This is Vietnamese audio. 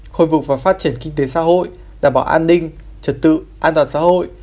khôi phục và phát triển kinh tế xã hội đảm bảo an ninh trật tự an toàn xã hội